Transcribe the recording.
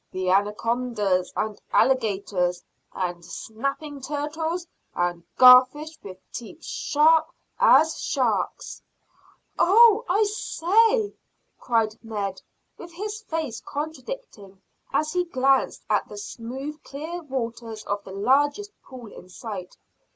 "The anacondas and alligators and snapping turtles and garfish with teeth sharp as sharks?" "Oh, I say," cried Ned, with his face contracting as he glanced at the smooth clear waters of the largest pool in sight.